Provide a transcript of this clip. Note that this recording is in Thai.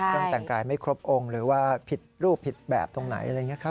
ต้องแต่งกายไม่ครบองค์หรือว่าผิดรูปผิดแบบตรงไหนอะไรอย่างนี้ครับ